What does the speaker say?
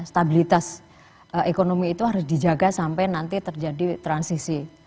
stabilitas ekonomi itu harus dijaga sampai nanti terjadi transisi